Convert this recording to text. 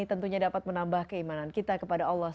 tentunya dapat menambah keimanan kita kepada allah sw